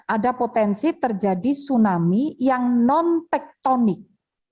ada potensi terjadi tsunami yang non tektonik